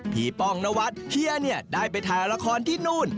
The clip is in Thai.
พี่ป้องนวัดเฮียได้ไปถ่ายละครที่นู่น